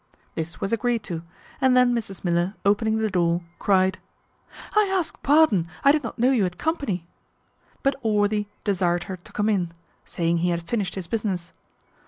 This was agreed to; and then Mrs Miller, opening the door, cried, "I ask pardon, I did not know you had company;" but Allworthy desired her to come in, saying he had finished his business.